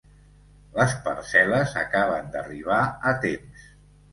Les parcel·les acaben d'arribar a temps.